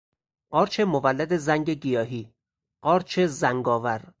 قارچ مولد زنگ گیاهی، قارچ زنگ آور